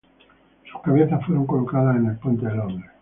Sus cabezas fueron colocadas en el Puente de Londres.